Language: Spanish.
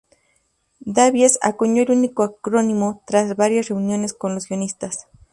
Davies acuñó el nuevo acrónimo tras varias reuniones con los guionistas.